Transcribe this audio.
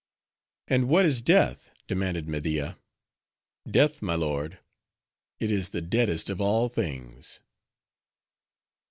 '" "And what is death?" demanded Media. "Death, my lord!—it is the deadest of all things."